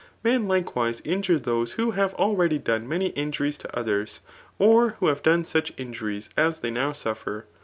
Men likewise injure those who have already done many injuries to oth^^ or who have done such injuries as th^y now suffer.